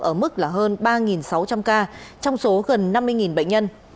ở mức là hơn ba sáu trăm linh ca trong số gần năm mươi bệnh nhân